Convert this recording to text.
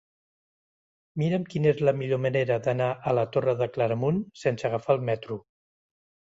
Mira'm quina és la millor manera d'anar a la Torre de Claramunt sense agafar el metro.